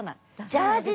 ジャージ